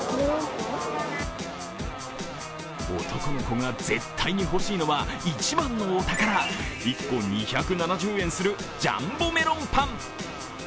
男の子が絶対に欲しいのは一番のお宝、１個２７０円するジャンボメロンパン。